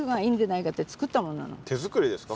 手作りですか？